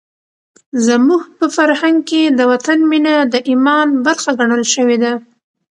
زموږ په فرهنګ کې د وطن مینه د ایمان برخه ګڼل شوې ده.